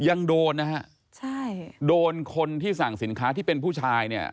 ยังโดนนะฮะใช่โดนคนที่สั่งสินค้าที่เป็นผู้ชายเนี่ย